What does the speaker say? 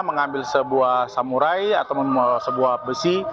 mengambil sebuah samurai atau membuat sebuah besi